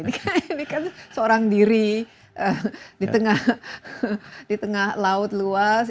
dia ini kan seorang diri di tengah laut luas